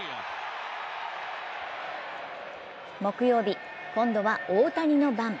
木曜日、今度は大谷の番。